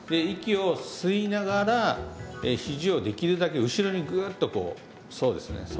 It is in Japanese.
息を吸いながらひじをできるだけ後ろにグッとこうそうですね